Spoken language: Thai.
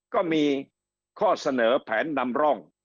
ก็มีข้อเสนอแผนนำร่อง